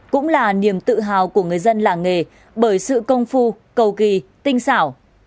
cũng là niềm tự hào của người dân làng nghề bởi sự công phu cầu kỳ tinh xảo